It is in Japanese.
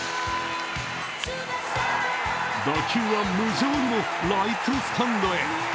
打球は無情にもライトスタンドへ。